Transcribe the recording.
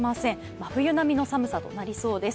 真冬並みの寒さとなりそうです。